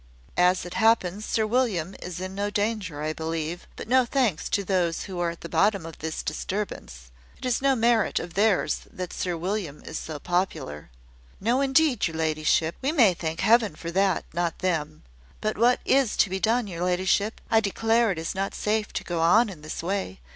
"As it happens, Sir William is in no danger, I believe; but no thanks to those who are at the bottom of this disturbance. It is no merit of theirs that Sir William is so popular." "No, indeed, your ladyship. We may thank Heaven for that, not them. But what is to be done, your ladyship? I declare it is not safe to go on in this way.